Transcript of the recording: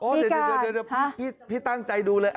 เดี๋ยวพี่ตั้งใจดูเลย